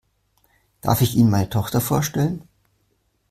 Darf ich Ihnen meine Tochter vorstellen?